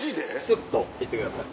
スッといってください。